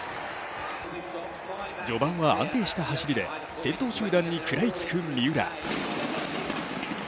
序盤は安定した走りで先頭集団に食らいつく三浦。